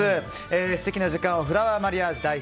素敵な時間をフラワーマリアージュ代表